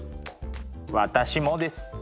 私もです。